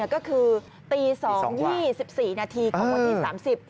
ก็คือตี๒ว่า๒๔นาทีกว่าตี๓๐